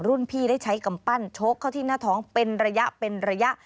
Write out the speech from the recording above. รุ่นพี่ได้ใช้กำปั้นโชคเข้าที่หน้าท้องเป็นระยะ